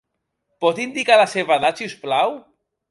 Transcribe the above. Pot indicar la seva edat, si us plau?